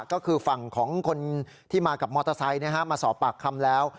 ก็คือฝั่งของคนที่มากับมอเตอร์ไซค์มาสอบปากคำแล้ว